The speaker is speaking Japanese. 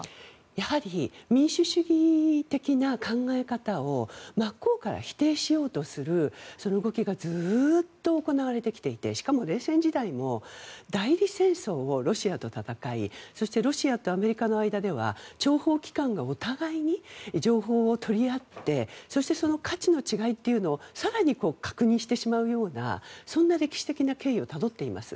やはり民主主義的な考え方を真っ向から否定しようとする動きがずっと行われてきていてしかも、冷戦時代も代理戦争をロシアと戦いそしてロシアとアメリカの間では諜報機関がお互いに情報を取り合ってそしてその価値の違いというのを更に確認してしまうようなそんな歴史的な経緯をたどっています。